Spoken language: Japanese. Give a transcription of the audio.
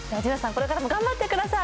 これからも頑張ってください